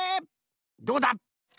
どうだ？